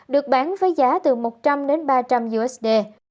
được bán với giá từ một trăm linh đến ba trăm linh usd